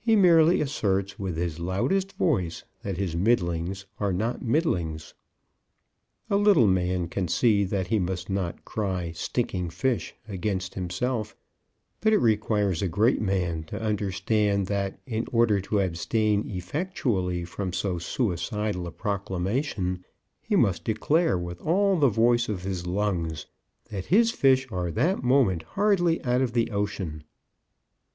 He merely asserts with his loudest voice that his middlings are not middlings. A little man can see that he must not cry stinking fish against himself; but it requires a great man to understand that in order to abstain effectually from so suicidal a proclamation, he must declare with all the voice of his lungs, that his fish are that moment hardly out of the ocean.